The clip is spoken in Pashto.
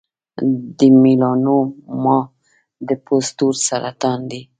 د میلانوما د پوست تور سرطان دی.